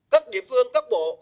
các địa phương các bộ